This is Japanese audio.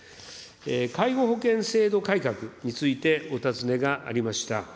介護保険制度改革についてお尋ねがありました。